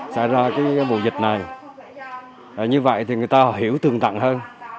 xảy ra cái bộ dịch này như vậy thì người ta hiểu thường tặng hơn